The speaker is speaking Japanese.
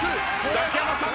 ザキヤマさん。